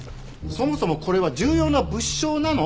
そもそもこれは重要な物証なの？